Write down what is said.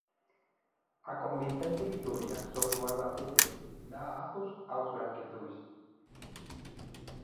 A convincente vitoria sobre o Albacete da azos aos branquiazuis.